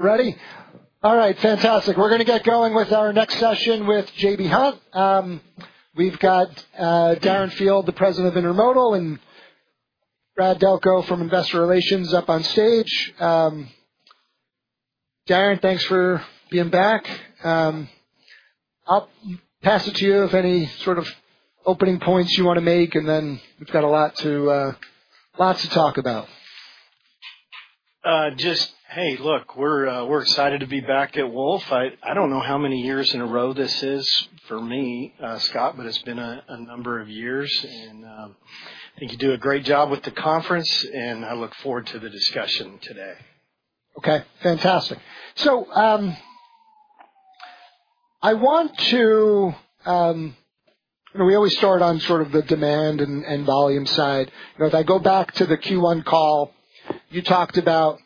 Ready? All right, fantastic. We're going to get going with our next session with J.B. Hunt. We've got Darren Field, the President of Intermodal, and Brad Delco from Investor Relations up on stage. Darren, thanks for being back. I'll pass it to you if any sort of opening points you want to make, and then we've got a lot to talk about. Just, hey, look, we're excited to be back at Wolfe. I don't know how many years in a row this is for me, Scott, but it's been a number of years. I think you do a great job with the conference, and I look forward to the discussion today. Okay, fantastic. I want to—we always start on sort of the demand and volume side. If I go back to the Q1 call, you talked about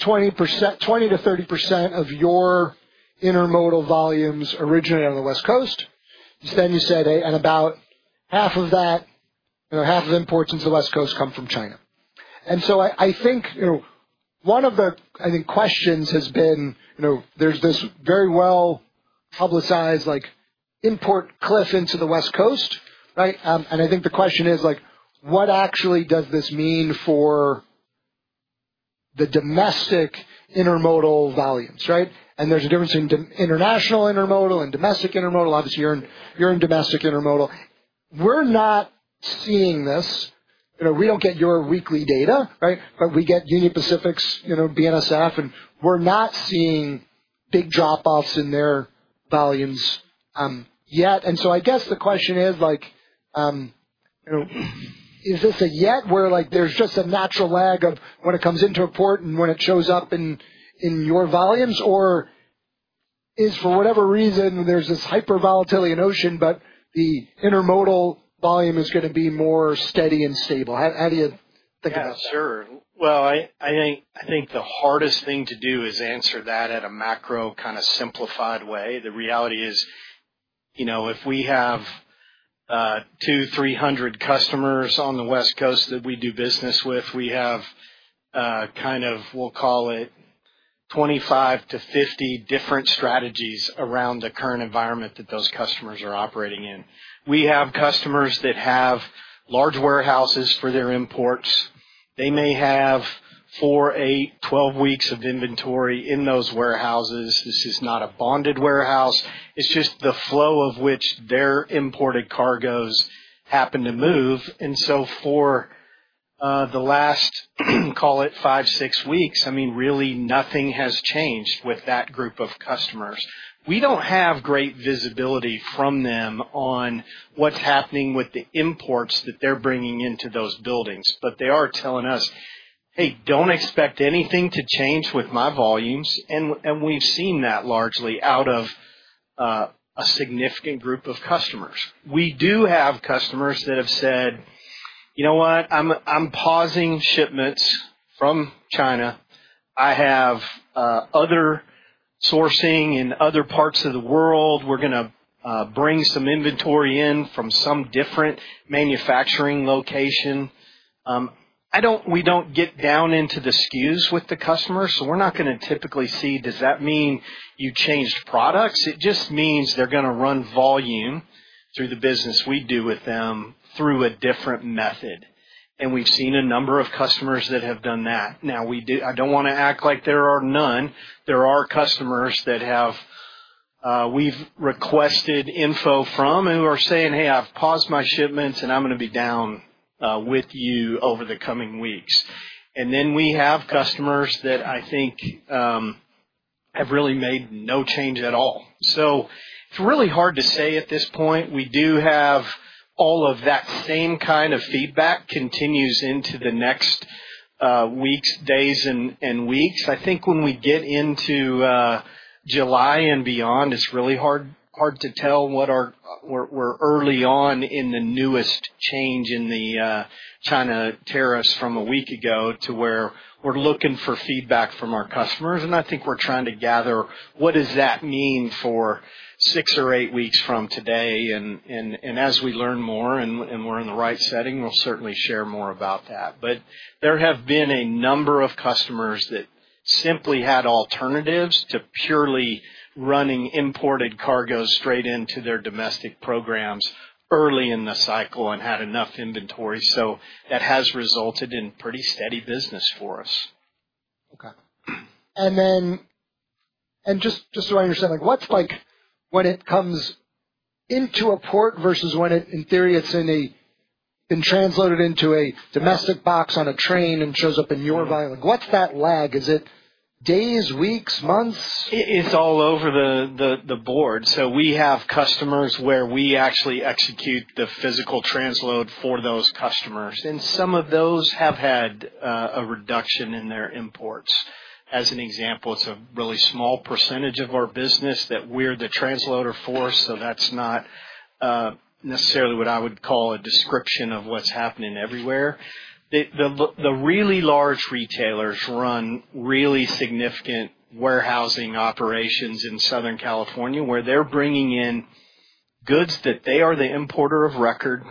20%-30% of your intermodal volumes originally on the West Coast. Then you said about half of that, half of imports into the West Coast come from China. I think one of the questions has been there's this very well-publicized import cliff into the West Coast. I think the question is, what actually does this mean for the domestic intermodal volumes? There's a difference in international intermodal and domestic intermodal. Obviously, you're in domestic intermodal. We're not seeing this. We don't get your weekly data, but we get Union Pacific's, BNSF, and we're not seeing big drop-offs in their volumes yet. I guess the question is, is this a year where there's just a natural lag of when it comes into a port and when it shows up in your volumes, or is, for whatever reason, there's this hyper-volatility in ocean, but the intermodal volume is going to be more steady and stable? How do you think about that? Yeah, sure. I think the hardest thing to do is answer that at a macro kind of simplified way. The reality is, if we have 200, 300 customers on the West Coast that we do business with, we have kind of, we'll call it 25-50 different strategies around the current environment that those customers are operating in. We have customers that have large warehouses for their imports. They may have 4, 8, 12 weeks of inventory in those warehouses. This is not a bonded warehouse. It's just the flow of which their imported cargoes happen to move. For the last, call it five, six weeks, I mean, really nothing has changed with that group of customers. We do not have great visibility from them on what's happening with the imports that they're bringing into those buildings. They are telling us, "Hey, don't expect anything to change with my volumes." We have seen that largely out of a significant group of customers. We do have customers that have said, "You know what? I'm pausing shipments from China. I have other sourcing in other parts of the world. We're going to bring some inventory in from some different manufacturing location." We do not get down into the SKUs with the customers, so we are not going to typically see, "Does that mean you changed products?" It just means they are going to run volume through the business we do with them through a different method. We have seen a number of customers that have done that. I do not want to act like there are none. There are customers that we've requested info from who are saying, "Hey, I've paused my shipments, and I'm going to be down with you over the coming weeks." We have customers that I think have really made no change at all. It is really hard to say at this point. We do have all of that same kind of feedback continues into the next days and weeks. I think when we get into July and beyond, it is really hard to tell whether we're early on in the newest change in the China tariffs from a week ago to where we're looking for feedback from our customers. I think we're trying to gather what does that mean for six or eight weeks from today. As we learn more and we're in the right setting, we'll certainly share more about that. There have been a number of customers that simply had alternatives to purely running imported cargoes straight into their domestic programs early in the cycle and had enough inventory. So that has resulted in pretty steady business for us. Okay. Just so I understand, what's like when it comes into a port versus when it, in theory, it's been transloaded into a domestic box on a train and shows up in your volume? What's that lag? Is it days, weeks, months? It's all over the board. We have customers where we actually execute the physical transload for those customers. Some of those have had a reduction in their imports. As an example, it's a really small percentage of our business that we're the transloader for. That's not necessarily what I would call a description of what's happening everywhere. The really large retailers run really significant warehousing operations in Southern California where they're bringing in goods that they are the importer of record.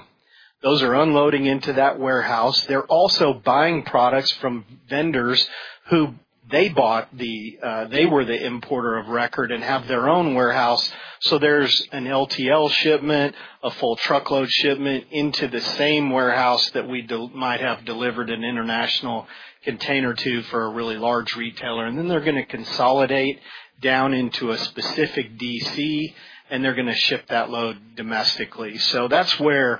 Those are unloading into that warehouse. They're also buying products from vendors who they bought the—they were the importer of record and have their own warehouse. There's an LTL shipment, a full truckload shipment into the same warehouse that we might have delivered an international container to for a really large retailer. They are going to consolidate down into a specific DC, and they are going to ship that load domestically. That is where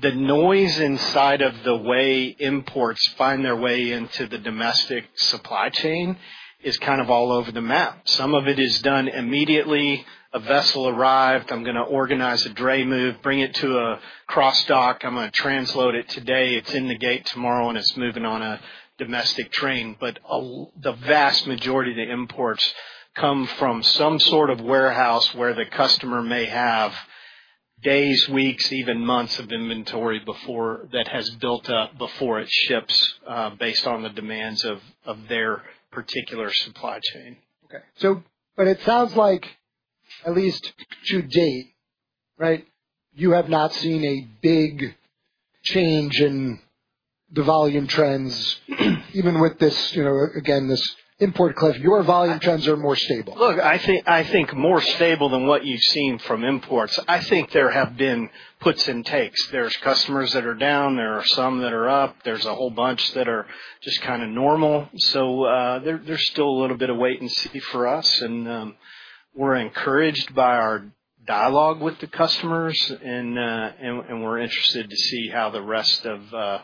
the noise inside of the way imports find their way into the domestic supply chain is kind of all over the map. Some of it is done immediately. A vessel arrived. I am going to organize a dray move, bring it to a cross dock. I am going to transload it today. It is in the gate tomorrow, and it is moving on a domestic train. The vast majority of the imports come from some sort of warehouse where the customer may have days, weeks, even months of inventory that has built up before it ships based on the demands of their particular supply chain. Okay. It sounds like, at least to date, you have not seen a big change in the volume trends, even with this, again, this import cliff. Your volume trends are more stable. Look, I think more stable than what you've seen from imports. I think there have been puts and takes. There's customers that are down. There are some that are up. There's a whole bunch that are just kind of normal. There is still a little bit of wait and see for us. We are encouraged by our dialogue with the customers, and we are interested to see how the rest of the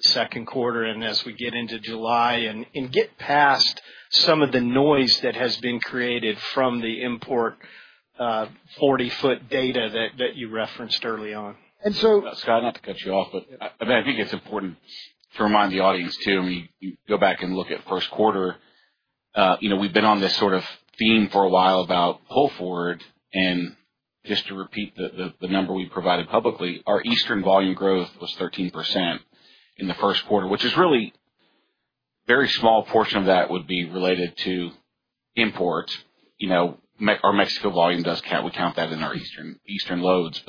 second quarter and as we get into July and get past some of the noise that has been created from the import 40-foot data that you referenced early on. Scott, not to cut you off, but I think it's important to remind the audience too, when you go back and look at first quarter, we've been on this sort of theme for a while about pull forward. Just to repeat the number we provided publicly, our Eastern volume growth was 13% in the first quarter, which is really a very small portion of that would be related to imports. Our Mexico volume does count; we count that in our Eastern loads.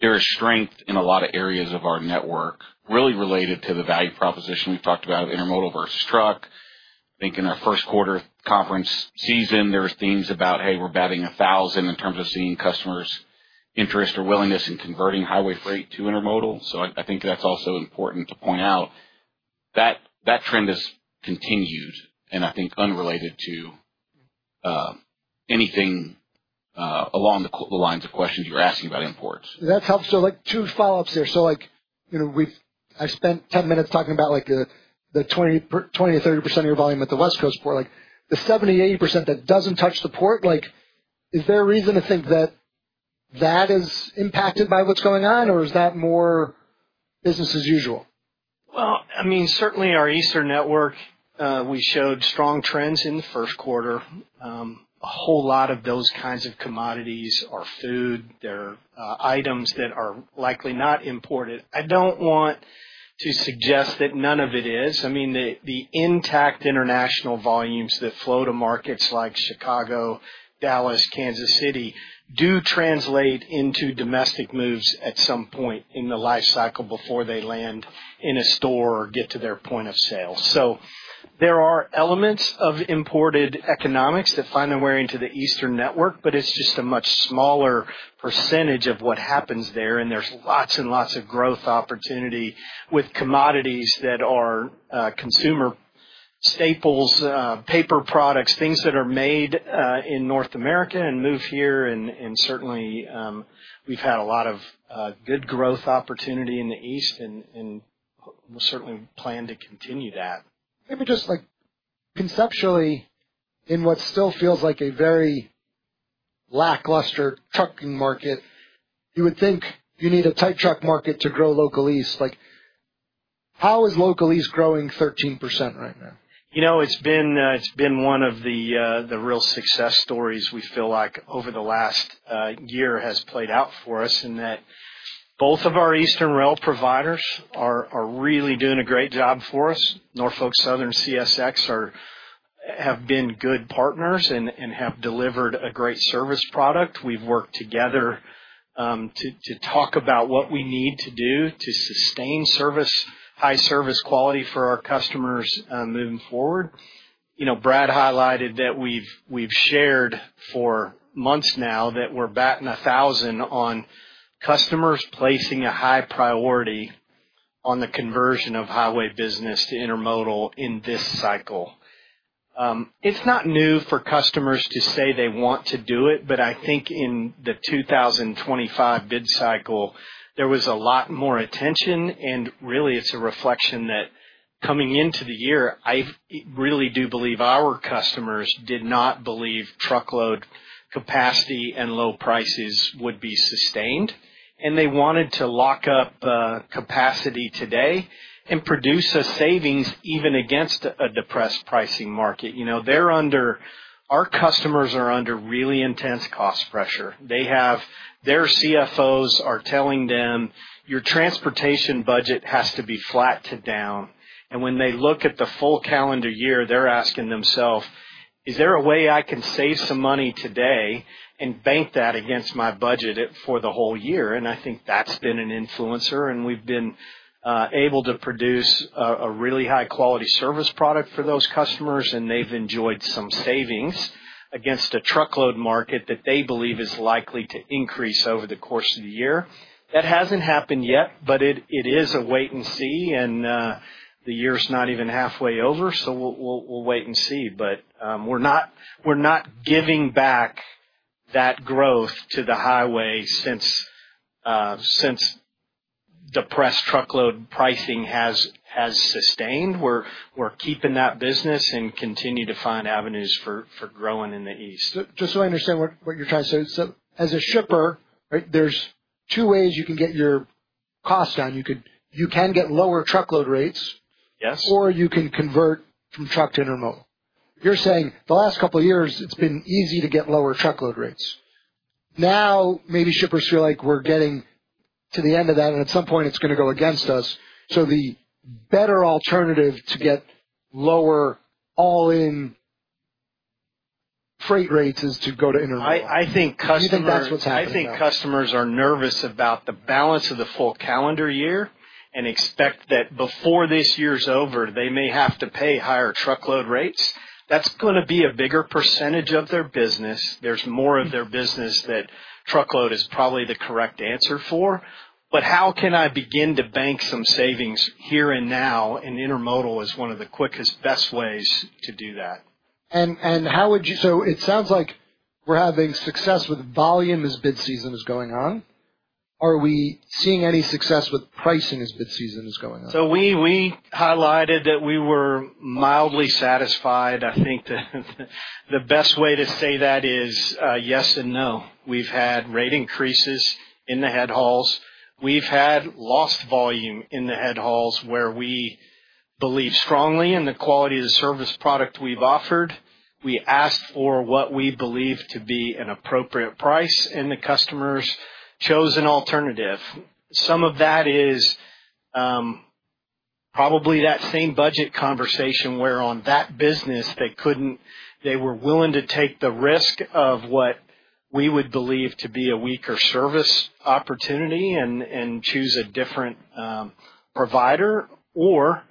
There is strength in a lot of areas of our network, really related to the value proposition we've talked about, Intermodal versus truck. I think in our first quarter conference season, there were themes about, "Hey, we're batting 1,000 in terms of seeing customers' interest or willingness in converting highway freight to Intermodal." I think that's also important to point out. That trend has continued, and I think unrelated to anything along the lines of questions you were asking about imports. That helps. Two follow-ups there. I spent 10 minutes talking about the 20-30% of your volume at the West Coast port. The 70-80% that does not touch the port, is there a reason to think that that is impacted by what is going on, or is that more business as usual? I mean, certainly our Eastern network, we showed strong trends in the first quarter. A whole lot of those kinds of commodities are food. There are items that are likely not imported. I do not want to suggest that none of it is. I mean, the intact international volumes that flow to markets like Chicago, Dallas, Kansas City do translate into domestic moves at some point in the life cycle before they land in a store or get to their point of sale. There are elements of imported economics that find their way into the Eastern network, but it is just a much smaller percentage of what happens there. There is lots and lots of growth opportunity with commodities that are consumer staples, paper products, things that are made in North America and move here. Certainly, we've had a lot of good growth opportunity in the East, and we'll certainly plan to continue that. Maybe just conceptually, in what still feels like a very lackluster trucking market, you would think you need a tight truck market to grow local ease. How is local ease growing 13% right now? It's been one of the real success stories we feel like over the last year has played out for us in that both of our Eastern rail providers are really doing a great job for us. Norfolk Southern and CSX have been good partners and have delivered a great service product. We've worked together to talk about what we need to do to sustain high service quality for our customers moving forward. Brad highlighted that we've shared for months now that we're batting 1,000 on customers placing a high priority on the conversion of highway business to intermodal in this cycle. It's not new for customers to say they want to do it, but I think in the 2025 bid cycle, there was a lot more attention. It is really a reflection that coming into the year, I really do believe our customers did not believe truckload capacity and low prices would be sustained. They wanted to lock up capacity today and produce a savings even against a depressed pricing market. Our customers are under really intense cost pressure. Their CFOs are telling them, "Your transportation budget has to be flat to down." When they look at the full calendar year, they are asking themselves, "Is there a way I can save some money today and bank that against my budget for the whole year?" I think that has been an influencer. We have been able to produce a really high-quality service product for those customers, and they have enjoyed some savings against a truckload market that they believe is likely to increase over the course of the year. That has not happened yet, but it is a wait and see. The year's not even halfway over, so we'll wait and see. We're not giving back that growth to the highway since depressed truckload pricing has sustained. We're keeping that business and continue to find avenues for growing in the East. Just so I understand what you're trying to say, as a shipper, there's two ways you can get your cost down. You can get lower truckload rates, or you can convert from truck to intermodal. You're saying the last couple of years, it's been easy to get lower truckload rates. Now, maybe shippers feel like we're getting to the end of that, and at some point, it's going to go against us. The better alternative to get lower all-in freight rates is to go to intermodal. I think customers. You think that's what's happening? I think customers are nervous about the balance of the full calendar year and expect that before this year's over, they may have to pay higher truckload rates. That's going to be a bigger percentage of their business. There's more of their business that truckload is probably the correct answer for. How can I begin to bank some savings here and now? Intermodal is one of the quickest, best ways to do that. How would you—so it sounds like we're having success with volume as bid season is going on. Are we seeing any success with pricing as bid season is going on? We highlighted that we were mildly satisfied. I think the best way to say that is yes and no. We've had rate increases in the head hauls. We've had lost volume in the head hauls where we believe strongly in the quality of the service product we've offered. We asked for what we believe to be an appropriate price, and the customers chose an alternative. Some of that is probably that same budget conversation where on that business, they were willing to take the risk of what we would believe to be a weaker service opportunity and choose a different provider, or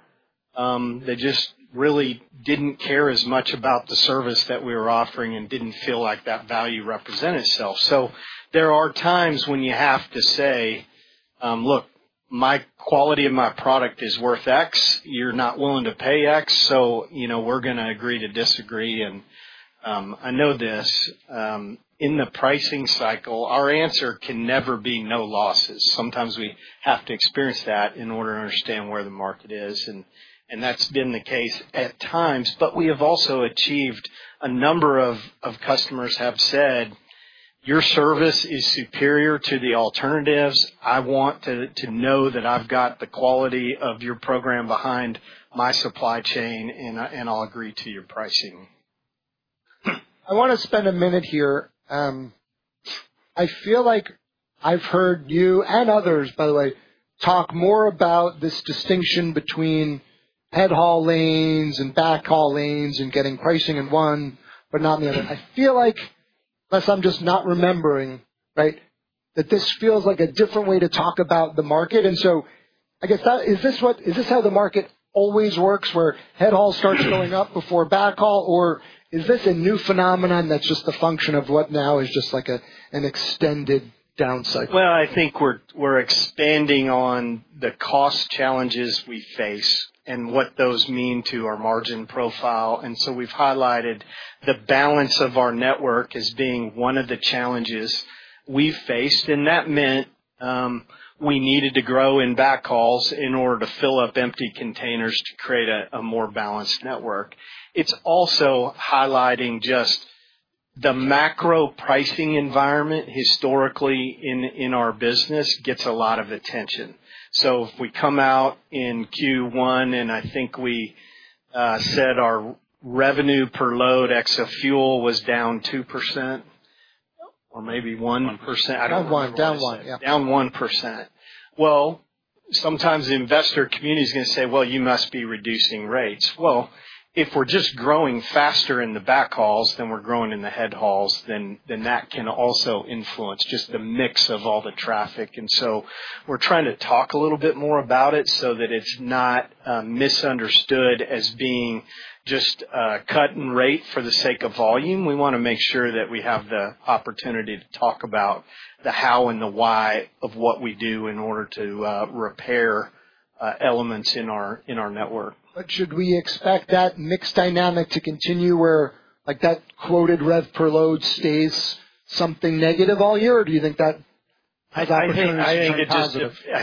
they just really did not care as much about the service that we were offering and did not feel like that value represented itself. There are times when you have to say, "Look, my quality of my product is worth X. You're not willing to pay X, so we're going to agree to disagree. I know this. In the pricing cycle, our answer can never be no losses. Sometimes we have to experience that in order to understand where the market is. That has been the case at times. We have also achieved a number of customers who have said, "Your service is superior to the alternatives. I want to know that I've got the quality of your program behind my supply chain, and I'll agree to your pricing. I want to spend a minute here. I feel like I've heard you and others, by the way, talk more about this distinction between head haul lanes and back haul lanes and getting pricing in one, but not in the other. I feel like, unless I'm just not remembering, that this feels like a different way to talk about the market. I guess, is this how the market always works where head haul starts going up before back haul? Or is this a new phenomenon that's just a function of what now is just like an extended down cycle? I think we're expanding on the cost challenges we face and what those mean to our margin profile. We have highlighted the balance of our network as being one of the challenges we faced. That meant we needed to grow in back hauls in order to fill up empty containers to create a more balanced network. It is also highlighting just the macro pricing environment historically in our business gets a lot of attention. If we come out in Q1, and I think we said our revenue per load except fuel was down 2% or maybe 1%. Down one. Down one. Down 1%. Sometimes the investor community is going to say, "Well, you must be reducing rates." If we are just growing faster in the back hauls than we are growing in the head hauls, then that can also influence just the mix of all the traffic. We are trying to talk a little bit more about it so that it is not misunderstood as being just cutting rate for the sake of volume. We want to make sure that we have the opportunity to talk about the how and the why of what we do in order to repair elements in our network. Should we expect that mixed dynamic to continue where that quoted rev per load stays something negative all year, or do you think that? I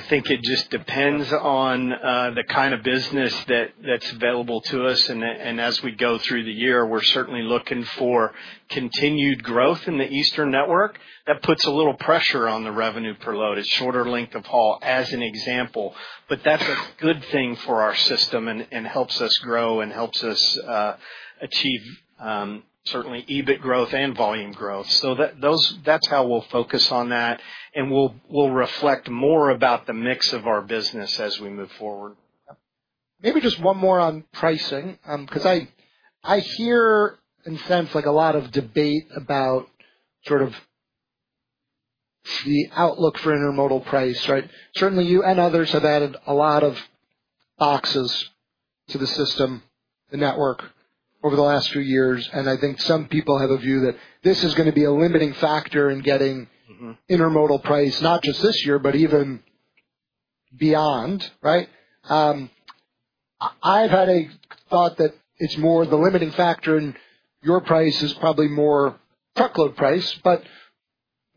think it just depends on the kind of business that's available to us. As we go through the year, we're certainly looking for continued growth in the Eastern network. That puts a little pressure on the revenue per load. It's shorter length of haul as an example, but that's a good thing for our system and helps us grow and helps us achieve certainly EBIT growth and volume growth. That's how we'll focus on that. We'll reflect more about the mix of our business as we move forward. Maybe just one more on pricing, because I hear and sense a lot of debate about sort of the outlook for intermodal price. Certainly, you and others have added a lot of boxes to the system, the network, over the last few years. I think some people have a view that this is going to be a limiting factor in getting intermodal price, not just this year, but even beyond. I've had a thought that it's more the limiting factor, and your price is probably more truckload price.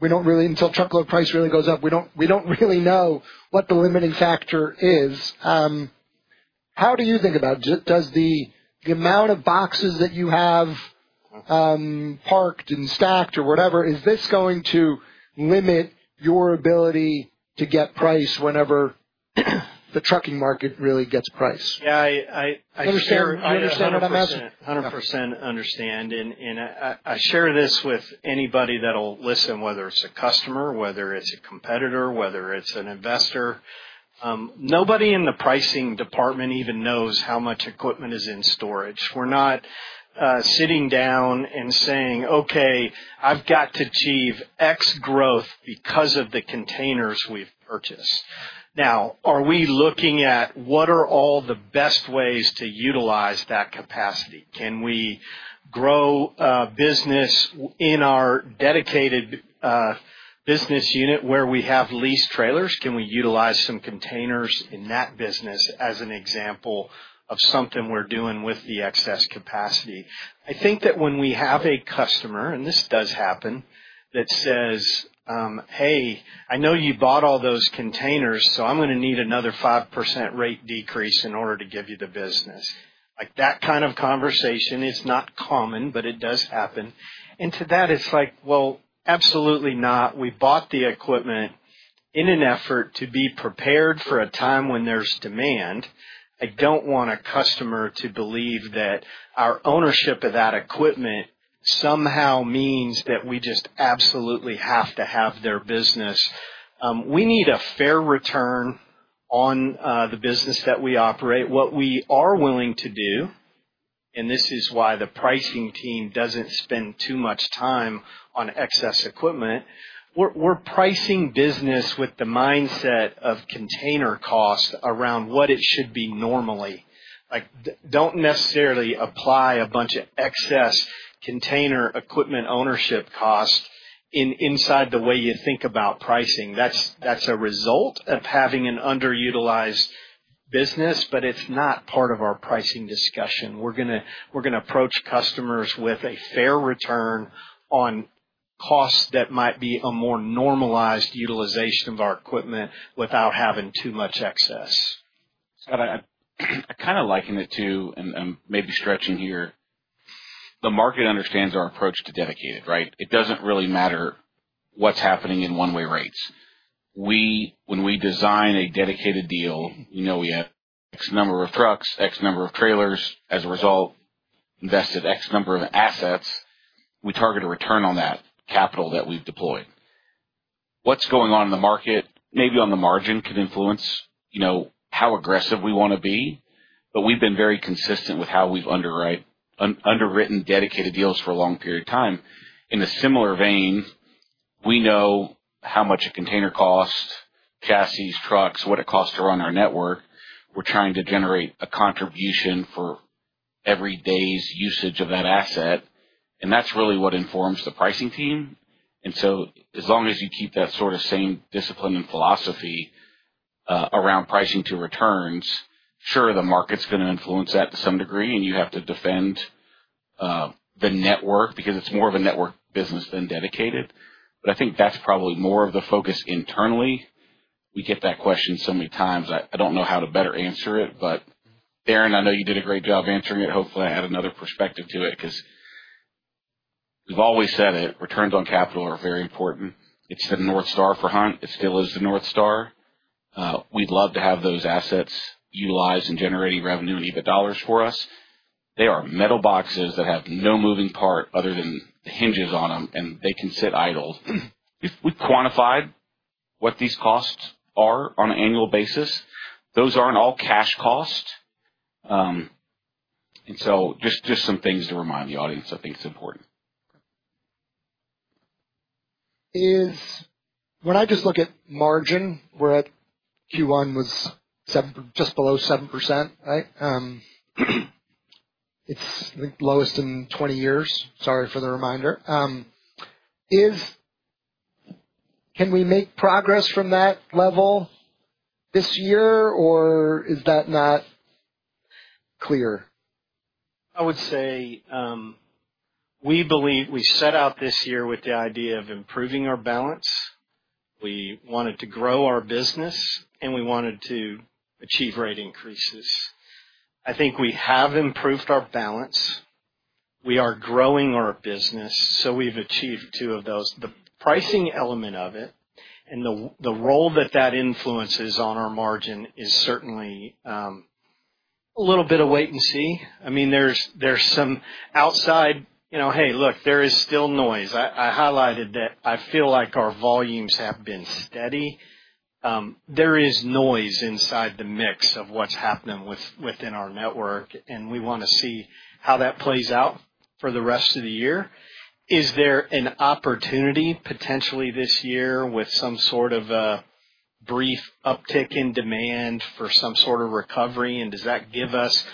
Until truckload price really goes up, we don't really know what the limiting factor is. How do you think about it? Does the amount of boxes that you have parked and stacked or whatever, is this going to limit your ability to get price whenever the trucking market really gets price? Yeah. I share 100%. Understand what I'm asking? Understand. I share this with anybody that'll listen, whether it's a customer, whether it's a competitor, whether it's an investor. Nobody in the pricing department even knows how much equipment is in storage. We're not sitting down and saying, "Okay, I've got to achieve X growth because of the containers we've purchased." Now, are we looking at what are all the best ways to utilize that capacity? Can we grow a business in our dedicated business unit where we have leased trailers? Can we utilize some containers in that business as an example of something we're doing with the excess capacity? I think that when we have a customer, and this does happen, that says, "Hey, I know you bought all those containers, so I'm going to need another 5% rate decrease in order to give you the business." That kind of conversation is not common, but it does happen. To that, it's like, "Absolutely not. We bought the equipment in an effort to be prepared for a time when there's demand." I don't want a customer to believe that our ownership of that equipment somehow means that we just absolutely have to have their business. We need a fair return on the business that we operate. What we are willing to do, and this is why the pricing team doesn't spend too much time on excess equipment, we're pricing business with the mindset of container cost around what it should be normally. Don't necessarily apply a bunch of excess container equipment ownership cost inside the way you think about pricing. That's a result of having an underutilized business, but it's not part of our pricing discussion. We're going to approach customers with a fair return on costs that might be a more normalized utilization of our equipment without having too much excess. I kind of liken it to, and maybe stretching here, the market understands our approach to dedicated, right? It does not really matter what is happening in one-way rates. When we design a dedicated deal, we know we have X number of trucks, X number of trailers. As a result, invested X number of assets. We target a return on that capital that we have deployed. What is going on in the market, maybe on the margin, could influence how aggressive we want to be. We have been very consistent with how we have underwritten dedicated deals for a long period of time. In a similar vein, we know how much a container costs, chassis, trucks, what it costs to run our network. We are trying to generate a contribution for every day's usage of that asset. That is really what informs the pricing team. As long as you keep that sort of same discipline and philosophy around pricing to returns, sure, the market's going to influence that to some degree, and you have to defend the network because it's more of a network business than dedicated. I think that's probably more of the focus internally. We get that question so many times. I don't know how to better answer it. Darren, I know you did a great job answering it. Hopefully, I had another perspective to it because we've always said it. Returns on capital are very important. It's the North Star for Hunt. It still is the North Star. We'd love to have those assets utilized and generating revenue in EBIT dollars for us. They are metal boxes that have no moving part other than the hinges on them, and they can sit idle. We've quantified what these costs are on an annual basis. Those aren't all cash costs. Just some things to remind the audience, I think it's important. When I just look at margin, where Q1 was just below 7%, right? It's the lowest in 20 years. Sorry for the reminder. Can we make progress from that level this year, or is that not clear? I would say we set out this year with the idea of improving our balance. We wanted to grow our business, and we wanted to achieve rate increases. I think we have improved our balance. We are growing our business, so we've achieved two of those. The pricing element of it and the role that that influences on our margin is certainly a little bit of wait and see. I mean, there's some outside, "Hey, look, there is still noise." I highlighted that I feel like our volumes have been steady. There is noise inside the mix of what's happening within our network, and we want to see how that plays out for the rest of the year. Is there an opportunity potentially this year with some sort of a brief uptick in demand for some sort of recovery? Does that give us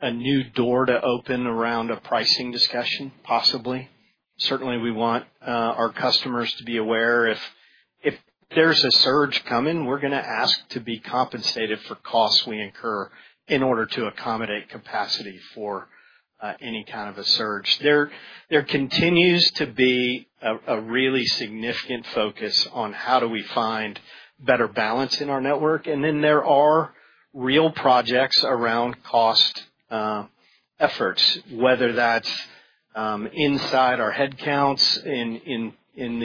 a new door to open around a pricing discussion? Possibly. Certainly, we want our customers to be aware. If there is a surge coming, we are going to ask to be compensated for costs we incur in order to accommodate capacity for any kind of a surge. There continues to be a really significant focus on how do we find better balance in our network. There are real projects around cost efforts, whether that is inside our headcounts in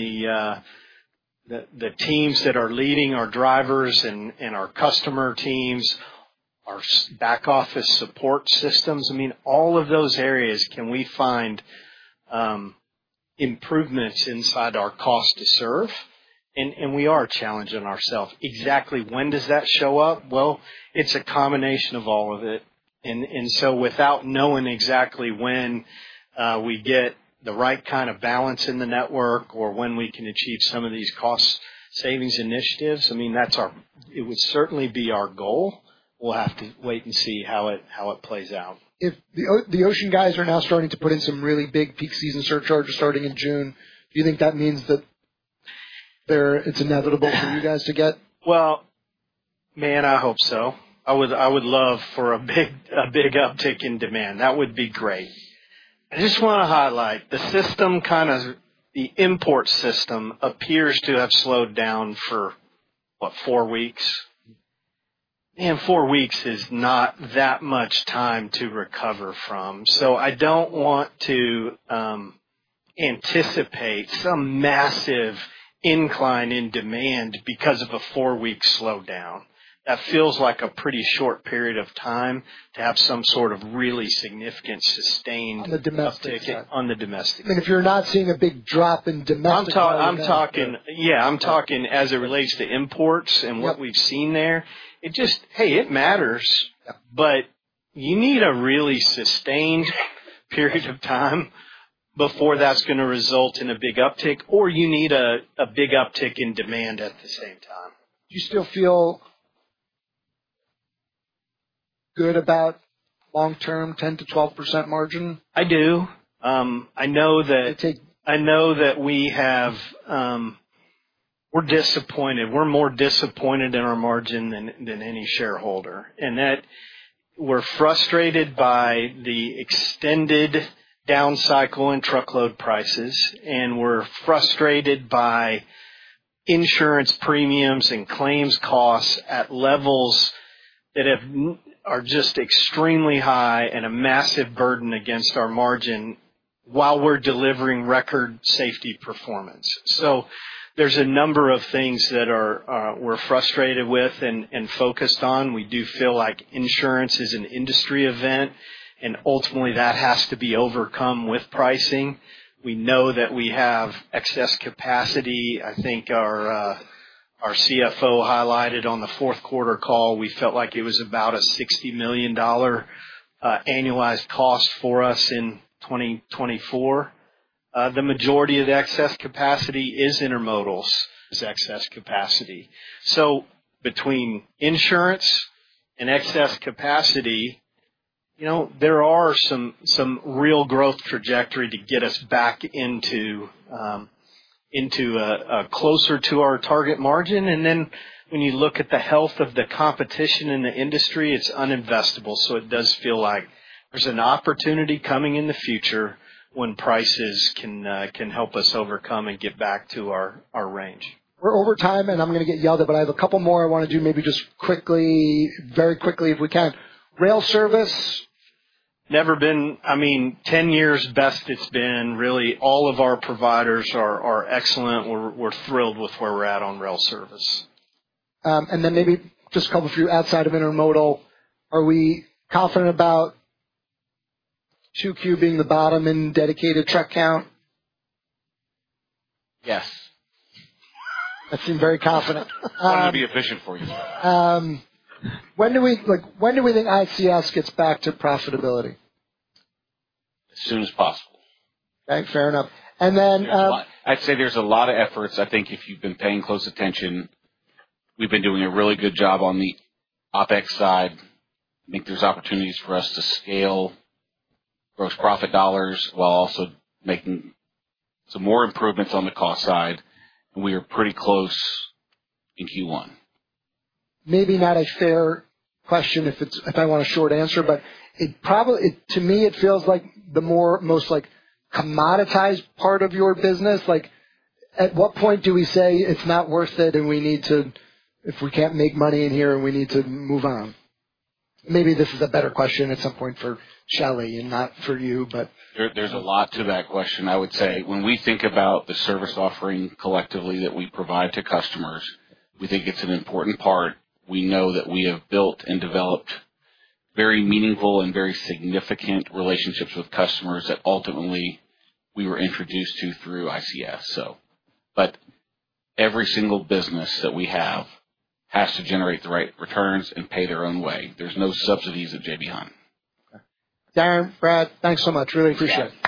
the teams that are leading our drivers and our customer teams, our back office support systems. I mean, all of those areas, can we find improvements inside our cost to serve? We are challenging ourselves. Exactly when does that show up? It is a combination of all of it. Without knowing exactly when we get the right kind of balance in the network or when we can achieve some of these cost savings initiatives, I mean, it would certainly be our goal. We'll have to wait and see how it plays out. If the Ocean guys are now starting to put in some really big peak season surcharges starting in June, do you think that means that it's inevitable for you guys to get? I hope so. I would love for a big uptick in demand. That would be great. I just want to highlight the system, kind of the import system appears to have slowed down for, what, four weeks? And four weeks is not that much time to recover from. I do not want to anticipate some massive incline in demand because of a four-week slowdown. That feels like a pretty short period of time to have some sort of really significant sustained uptick. On the domestic side. On the domestic side. I mean, if you're not seeing a big drop in domestic demand. I'm talking, yeah, I'm talking as it relates to imports and what we've seen there. It just, hey, it matters. You need a really sustained period of time before that's going to result in a big uptick, or you need a big uptick in demand at the same time. Do you still feel good about long-term 10-12% margin? I do. I know that we have, we're disappointed. We're more disappointed in our margin than any shareholder. We're frustrated by the extended down cycle in truckload prices. We're frustrated by insurance premiums and claims costs at levels that are just extremely high and a massive burden against our margin while we're delivering record safety performance. There are a number of things that we're frustrated with and focused on. We do feel like insurance is an industry event, and ultimately that has to be overcome with pricing. We know that we have excess capacity. I think our CFO highlighted on the fourth quarter call, we felt like it was about a $60 million annualized cost for us in 2024. The majority of the excess capacity is intermodal. Is excess capacity. Between insurance and excess capacity, there are some real growth trajectory to get us back into closer to our target margin. When you look at the health of the competition in the industry, it's uninvestable. It does feel like there's an opportunity coming in the future when prices can help us overcome and get back to our range. We're over time, and I'm going to get yelled at, but I have a couple more I want to do maybe just quickly, very quickly if we can. Rail service. I mean, 10 years, best it's been. Really, all of our providers are excellent. We're thrilled with where we're at on rail service. Maybe just a couple for you outside of intermodal. Are we confident about 2Q being the bottom in dedicated truck count? Yes. That seems very confident. We want to be efficient for you. When do we think ICS gets back to profitability? As soon as possible. Okay. Fair enough. And then. I'd say there's a lot of efforts. I think if you've been paying close attention, we've been doing a really good job on the OpEX side. I think there's opportunities for us to scale gross profit dollars while also making some more improvements on the cost side. We are pretty close in Q1. Maybe not a fair question if I want a short answer, but to me, it feels like the most commoditized part of your business. At what point do we say it's not worth it and we need to, if we can't make money in here, we need to move on? Maybe this is a better question at some point for Shelley and not for you, but. There's a lot to that question. I would say when we think about the service offering collectively that we provide to customers, we think it's an important part. We know that we have built and developed very meaningful and very significant relationships with customers that ultimately we were introduced to through ICS, so. Every single business that we have has to generate the right returns and pay their own way. There's no subsidies at J.B. Hunt. Okay. Darren, Brad, thanks so much. Really appreciate it.